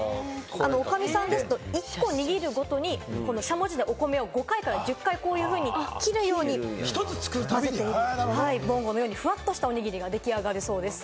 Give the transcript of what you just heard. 女将さんですと、１個にぎるごとにしゃもじでお米を５回から１０回こういうふうに切るように、ぼんごのようにそうするとフワっとしたおにぎりが出来上がるそうです。